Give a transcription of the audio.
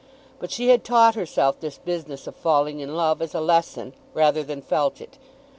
But she had taught herself this business of falling in love as a lesson, rather than felt it.